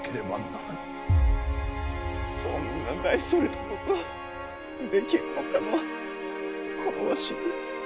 そんな大それたことできるのかのこのわしに。